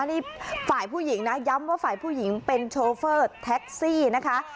นี่ฝ่ายผู้หญิงนะย้ำว่าฝ่ายผู้หญิงเป็นโชเฟอร์แท็กซี่นะคะ